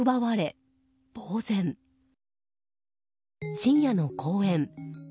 深夜の公園。